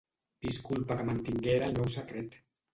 Disculpa que mantinguera el meu secret.